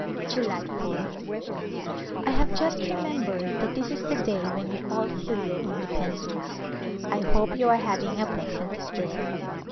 July ph. I have just remembered that this is the day when you all feel your independence. I hope you are hav ing a pleasant day.